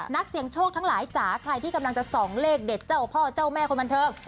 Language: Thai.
นักเสี่ยงโชคทั้งหลายจ๋าใครที่กำลังจะส่องเลขเด็ดเจ้าพ่อเจ้าแม่คนบันเทิง